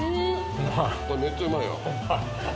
これめっちゃうまいわ。